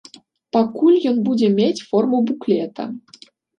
Пакуль ён будзе мець форму буклета.